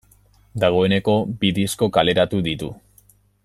Dagoeneko bi disko kaleratu ditu.